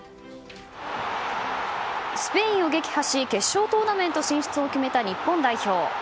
スペインを撃破し決勝トーナメント進出を決めた日本代表。